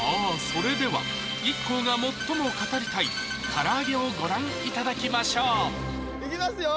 それではＩＫＫＯが最も語りたい唐揚げをご覧いただきましょういきますよ！